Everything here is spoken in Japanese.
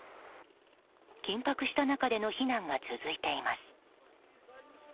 緊迫した中での避難が続いています。